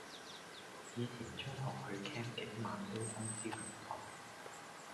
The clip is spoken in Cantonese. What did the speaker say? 以前中學去 camp 幾晚都通宵唔瞓